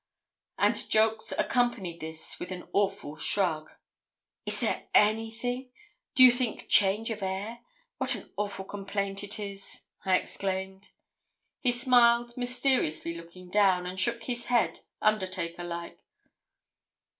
And Jolks accompanied this with an awful shrug. 'Is there anything? Do you think change of air? What an awful complaint it is,' I exclaimed. He smiled, mysteriously looking down, and shook his head undertaker like.